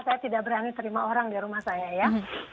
saya tidak berani terima orang di rumah saya ya